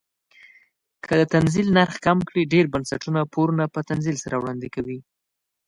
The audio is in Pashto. که د تنزیل نرخ کم کړي ډیر بنسټونه پورونه په تنزیل سره وړاندې کوي.